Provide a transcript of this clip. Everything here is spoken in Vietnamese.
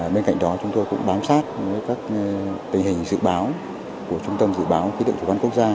bên cạnh đó chúng tôi cũng bám sát với các tình hình dự báo của trung tâm dự báo kỹ lượng thủ văn quốc gia